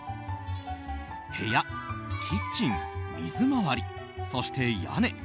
部屋、キッチン、水回りそして屋根。